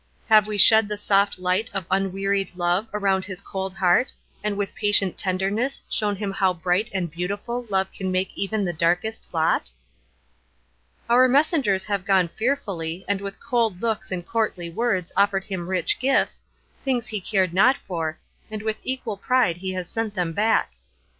Have we shed the soft light of unwearied love around his cold heart, and with patient tenderness shown him how bright and beautiful love can make even the darkest lot? "Our messengers have gone fearfully, and with cold looks and courtly words offered him rich gifts, things he cared not for, and with equal pride has he sent them back.